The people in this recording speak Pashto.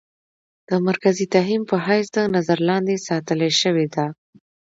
د مرکزي تهيم په حېث د نظر لاندې ساتلے شوې ده.